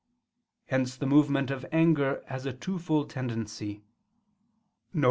Hence the movement of anger has a twofold tendency: viz.